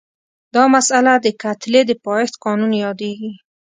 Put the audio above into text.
دا مسئله د کتلې د پایښت قانون یادیږي.